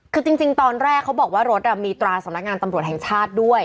คือจริงตอนแรกเขาบอกว่ารถมีตราสำนักงานตำรวจแห่งชาติด้วย